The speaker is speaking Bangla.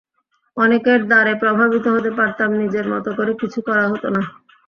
অনেকের দ্বারা প্রভাবিত হতে পারতাম, নিজের মতো করে কিছু করা হতো না।